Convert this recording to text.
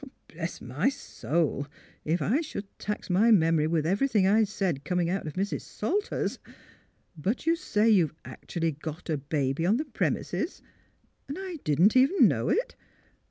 "" Bless my soul! if I should tax my memory with everything I'd said coming out of Mrs. Sal ter's But you say you've actually got a baby on the premises? And I didn't even know it?